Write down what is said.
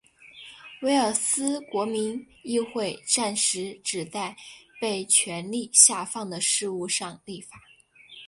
威尔斯国民议会暂时只在被权力下放的事务上立法。